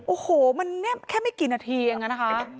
โอ้โหมันเนี่ยแค่ไม่กี่นาทีเองอะนะคะ